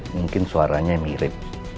mungkin suaranya mirip